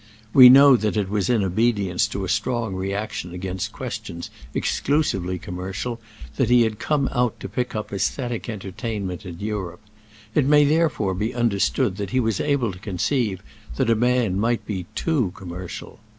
We know that it was in obedience to a strong reaction against questions exclusively commercial that he had come out to pick up æsthetic entertainment in Europe; it may therefore be understood that he was able to conceive that a man might be too commercial.